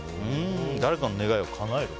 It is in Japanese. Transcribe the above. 誰かの願いをかなえると。